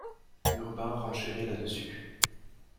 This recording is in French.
Urbain renchérit là-dessus.